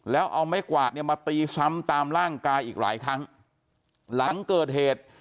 แล้วเอาไม้กวาดเนี่ยมาตีซ้ำตามร่างกายอีกหลายครั้งหลังเกิดเหตุ